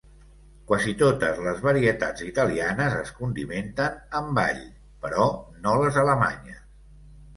Quasi totes les varietats italianes es condimenten amb all, però no les alemanyes.